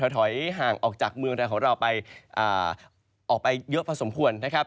ถอยห่างออกจากเมืองไทยของเราไปออกไปเยอะพอสมควรนะครับ